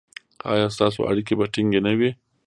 ایا ستاسو اړیکې به ټینګې نه وي؟